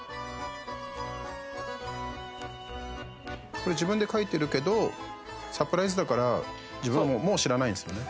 これ自分で書いてるけどサプライズだから自分も知らないんですよね。